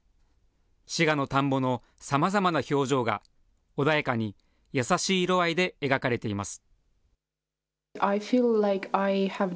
滋賀の田んぼのさまざまな表情が、穏やかに、優しい色合いで描かれています。